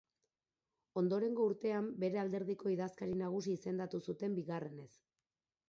Ondorengo urtean bere alderdiko idazkari nagusi izendatu zuten bigarrenez.